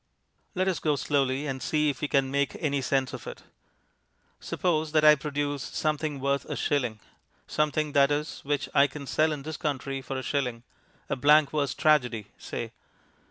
Let us go slowly, and see if we can make any sense of it. Suppose that I produce something worth a shilling, something, that is, which I can sell in this country for a shilling a blank verse tragedy, say.